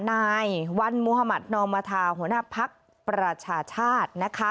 นายวันมุธมัธนอมธาหัวหน้าภักดิ์ประชาชาตินะคะ